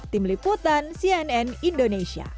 tim liputan cnn indonesia